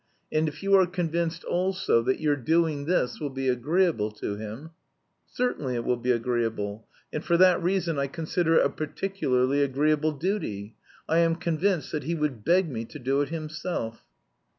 and if you are convinced also that your doing this will be agreeable to him..." "Certainly it will be agreeable, and for that reason I consider it a particularly agreeable duty. I am convinced that he would beg me to do it himself."